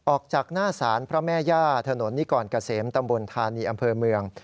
ออกจากหน้าศาลพระแม่ย่าถนนนิกรเกษมตำบลธานีอำเภอเมือง